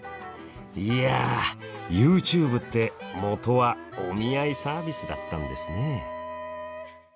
いやＹｏｕＴｕｂｅって元はお見合いサービスだったんですね。